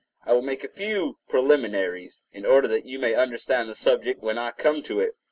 I will make a few preliminaries, in order that you may understand the subject when I come to it.